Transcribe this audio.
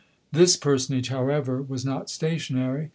This personage, however, was not stationary.